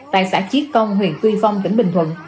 tại xã chiết công huyện tuy phong tỉnh bình thuận